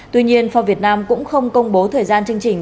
tuy nhiên forb việt nam cũng không công bố thời gian chương trình